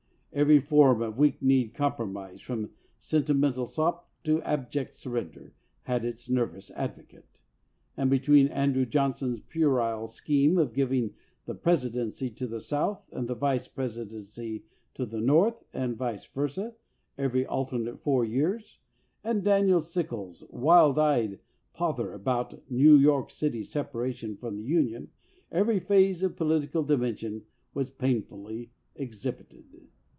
Every form of weak kneed compromise from sentimental sop to abject surrender had its nervous advocate, and between Andrew John son's puerile scheme of giving the Presidency to the South and the Vice Presidency to the North, and vice versa, every alternate four years, and Daniel Sickles's wild eyed pother about New York city's separation from the Union, every 293 LINCOLN THE LAWYER phase of political dementia was painfully ex hibited.